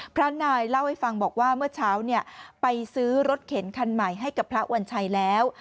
พระนายเล่าให้ฟังบอกว่าเมื่อเช้าไปซื้อรถเข็นคันใหม่ให้กับพระวัญชัยแล้ว